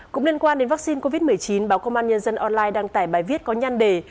cũng liên quan đến vaccine covid một mươi chín báo công an nhân dân online đăng tải bài viết có nhan đề